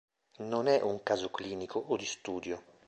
Non è un caso clinico o di studio.